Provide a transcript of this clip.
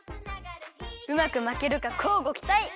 うまくまけるかこうごきたい！